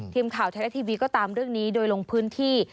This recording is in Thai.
ทีมข่าวไทยรัฐทีวีก็ตามเรื่องนี้โดยลงพื้นที่